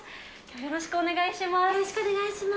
よろしくお願いします。